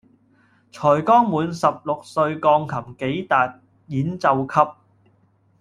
才剛滿十六歲鋼琴己逹演奏級